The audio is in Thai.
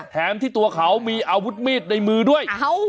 แถมที่ตัวเขามีอาวุธมีดในมือด้วย